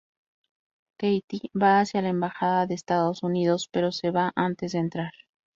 Katie va hacia la embajada de Estados Unidos, pero se va antes de entrar.